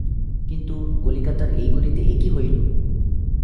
কিন্তু, কলিকাতার এই গলিতে এ কী হইল!